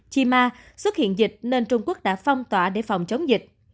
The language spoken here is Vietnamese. chima xuất hiện dịch nên trung quốc đã phong tỏa để phòng chống dịch